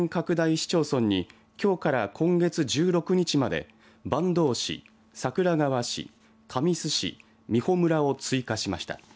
市町村にきょうから今月１６日まで坂東市、桜川市神栖市、美浦村を追加しました。